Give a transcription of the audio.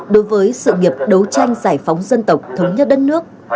đối với sự nghiệp đấu tranh giải phóng dân tộc thống nhất đất nước